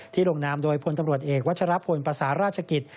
ลงนามโดยพลตำรวจเอกวัชรพลประสาราชกิจ